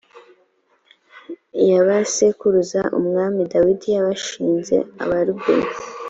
ya ba sekuruza a umwami dawidi yabashinze abarubeni